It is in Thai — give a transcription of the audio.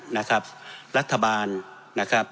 นะครับ